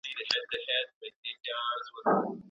کوترې بې وزرو نه وي.